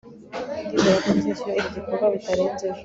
ndizera ko nzishyurwa iki gikorwa bitarenze ejo